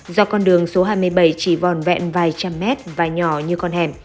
do con đường số hai mươi bảy chỉ vòn vẹn vài trăm mét và nhỏ như con hẻm